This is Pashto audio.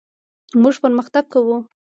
موږ پرمختګ کوو.